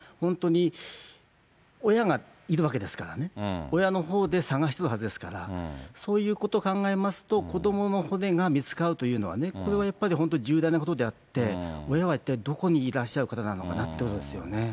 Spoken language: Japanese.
ですから、本当に、親がいるわけですからね、親のほうで捜してるはずですから、そういうことを考えますと、子どもの骨が見つかるというのはね、これはやっぱり本当に重大なことであって、親は一体どこにいらっしゃる方なのかなということですよね。